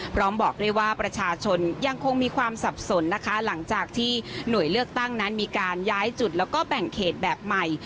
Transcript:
บอกด้วยว่าประชาชนยังคงมีความสับสนนะคะหลังจากที่หน่วยเลือกตั้งนั้นมีการย้ายจุดแล้วก็แบ่งเขตแบบใหม่